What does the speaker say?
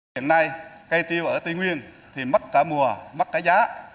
hiện nay cây tiêu ở tây nguyên thì mất cả mùa mất cả giá